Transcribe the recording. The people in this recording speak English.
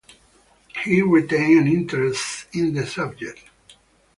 He retained an interest in the subject.